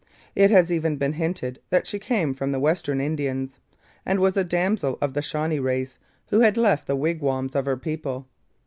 It has even been hinted that she came from the Western Indians, and was a damsel of the Shawnee race who had left the wigwams of her people.